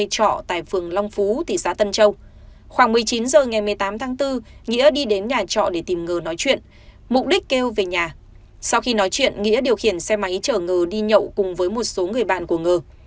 sau khi nói chuyện nghĩa điều khiển xe máy chở ngờ đi nhậu cùng với một số người bạn của ngờ